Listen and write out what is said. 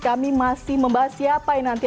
kami masih membahas siapa yang nanti